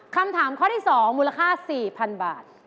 คำถามข้อที่๒มูลค่า๔๐๐๐บาท